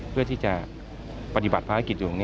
เพื่อที่จะปฏิบัติภารกิจอยู่ตรงนี้